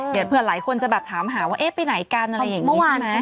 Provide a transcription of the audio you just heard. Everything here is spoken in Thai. เดี๋ยวเผื่อหลายคนจะแบบถามหาว่าเอ๊ะไปไหนกันอะไรอย่างนี้เมื่อวานไหม